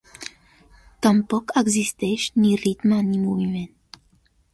Tampoc existeix ni ritme ni moviment.